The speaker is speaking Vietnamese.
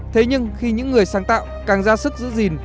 thế nhưng khi những người sáng tạo càng ra sức giữ gìn